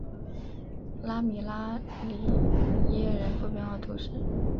拉米拉里耶人口变化图示